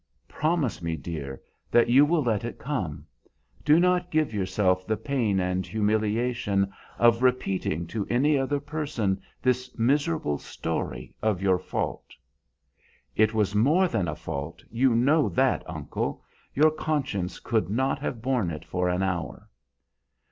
Promise me, dear, that you will let it come. Do not give yourself the pain and humiliation of repeating to any other person this miserable story of your fault." "It was more than a fault; you know that, uncle. Your conscience could not have borne it for an hour."